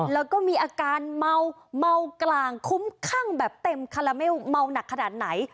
แล้วก็มีอาการเมาเมากลางคุ้มคั่งแบบเต็มคาราเมลเมาหนักขนาดไหน